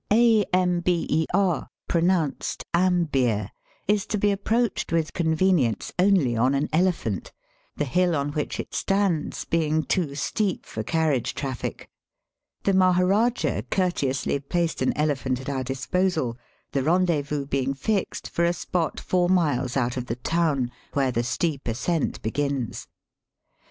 Amber (pronounced um beer) is to be approached with convenience Digitized by VjOOQIC 314 / EAST BY WEST/ only on an elephant, the hill on which it stands being too steep for carriage traffic. The Maharajah courteously placed an elephant at our disposal, the rendezvous being fixed for a spot four miles out of the town where the steep ascent begins.